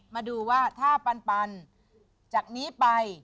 มาดูว่าถ้าปันจากนี้ไป